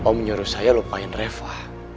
om nyuruh saya lupain reva